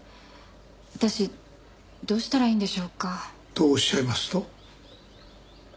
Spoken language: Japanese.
私どうしたらいいんでしょうか？とおっしゃいますと？